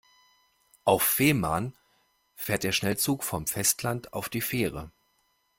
Auf Fehmarn fährt der Schnellzug vom Festland auf die Fähre.